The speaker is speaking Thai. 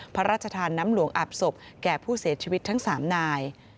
พระราชทานน้ำหลวงอาบศพแก่ผู้เสียชีวิตทั้ง๓นาย